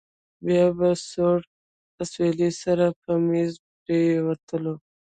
بيا به له سوړ اسويلي سره په مېز پرېوتله.